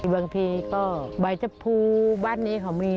บางทีเราก็ใบเจ็บภูค์ใบนี้เขามี